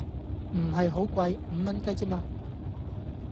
唔係好貴！五蚊雞之嘛